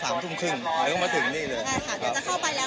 ทุ่มครึ่งเดี๋ยวต้องมาถึงนี่เลยใช่ค่ะเดี๋ยวจะเข้าไปแล้ว